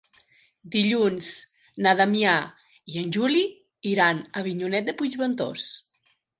Dilluns na Damià i en Juli iran a Avinyonet de Puigventós.